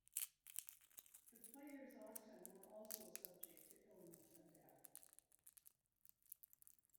The player's oxen were also subject to illness and death.